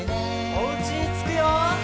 おうちにつくよ！